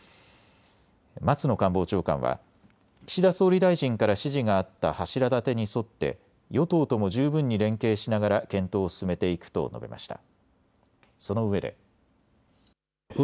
松野官房長官は岸田総理大臣から指示があった柱立てに沿って与党とも十分に連携しながら検討を進めていくと述べました。